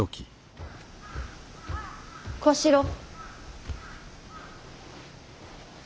小四郎。